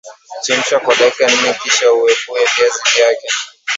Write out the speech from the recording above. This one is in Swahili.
Chemsha kwa dakika nne kisha uepue viazi vyake